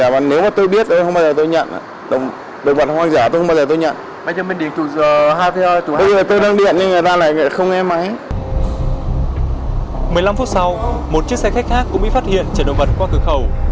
một chiếc xe khách khác cũng bị phát hiện chở động vật qua cửa khẩu